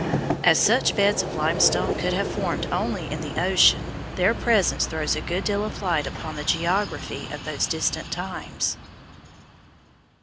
As such beds of limestone could have formed only in the ocean, their presence throws a good deal of light upon the geography of those distant times.